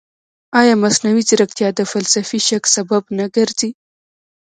ایا مصنوعي ځیرکتیا د فلسفي شک سبب نه ګرځي؟